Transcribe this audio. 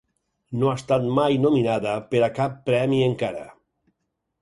No ha estat mai nominada per a cap premi encara.